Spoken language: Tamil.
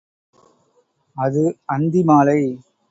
அது அந்தி மாலை.